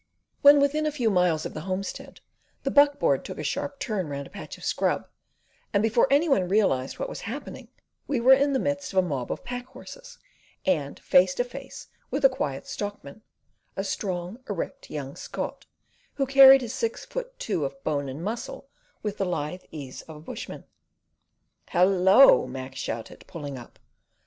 When within a few miles of the homestead, the buckboard took a sharp turn round a patch of scrub, and before any one realised what was happening we were in the midst of a mob of pack horses, and face to face with the Quiet Stockman a strong, erect, young Scot, who carried his six foot two of bone and muscle with the lithe ease of a bushman. "Hallo" Mac shouted, pulling up.